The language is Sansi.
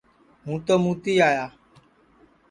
ہُوں تو مُوتی آیا